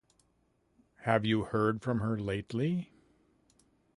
Have you heard from her lately?